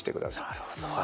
なるほど。